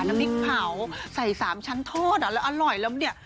น้ำพริกเผาใส่๓ชั้นทอดอ่ะแล้วอร่อยแล้วเนี่ย